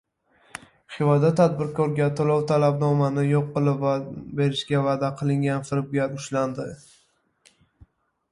Xivada tadbirkorga to‘lov talabnomani yo‘q qilib berishni va’da qilgan firibgar ushlandi